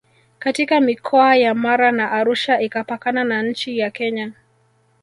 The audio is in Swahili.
katika mikoa ya Mara na Arusha ikipakana na nchi ya Kenya